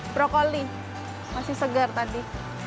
brokoli masih segar tadi